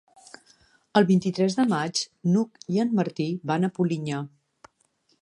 El vint-i-tres de maig n'Hug i en Martí van a Polinyà.